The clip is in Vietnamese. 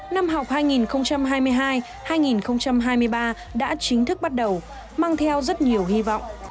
năm học hai nghìn hai mươi hai hai nghìn hai mươi ba đã chính thức bắt đầu mang theo rất nhiều hy vọng